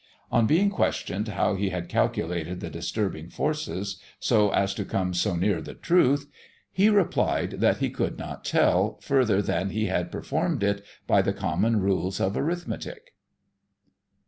On being questioned how he had calculated the disturbing forces, so as to come so near the truth; he replied that he could not tell, further than he had performed it by the common rules of arithmetic.